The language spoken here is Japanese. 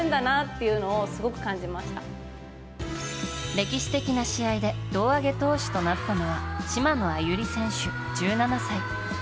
歴史的な試合で胴上げ投手となったのは島野愛友利選手、１７歳。